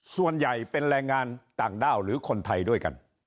ส่วนใหญ่เป็นแรงงานต่างด้าวหรือคนไทยด้วยกัน